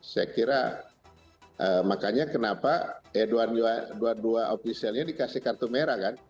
saya kira makanya kenapa dua dua ofisialnya dikasih kartu merah kan